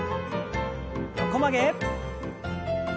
横曲げ。